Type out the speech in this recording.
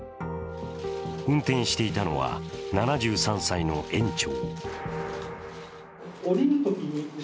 運転していたのは７３歳の園長。